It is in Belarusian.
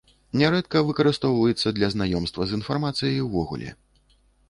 Нярэдка выкарыстоўваецца для знаёмства з інфармацыяй увогуле.